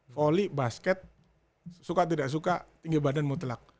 volley basket suka tidak suka tinggi badan mutlak